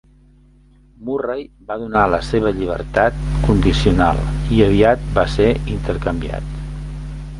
Murray va donar la seva llibertat condicional, i aviat va ser intercanviat.